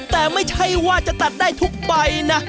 แต่ไม่ใช่ว่าจะตัดได้ทุกใบนะ